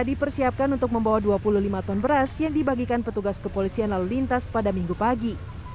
dipersiapkan untuk membawa dua puluh lima ton beras yang dibagikan petugas kepolisian lalu lintas pada minggu pagi